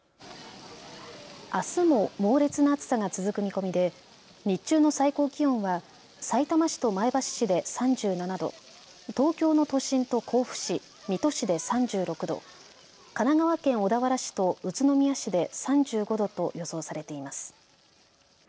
あすも猛烈な暑さが続く見込みで日中の最高気温はさいたま市と前橋市で３７度、東京の都心と甲府市、水戸市で３６度、神奈川県小田原市と宇都宮市で３５度と予想されています。